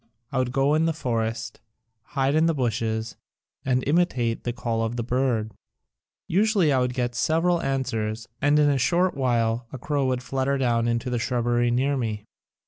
I would go in the forest, hide in the bushes, and imitate the call of the bird. Usually I would get several answers and in a short while a crow would flutter down into the shrubbery near me.